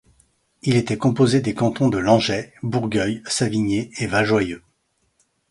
Il était composé des cantons de Langeais, Bourgueil, Savigné et Valjoieux.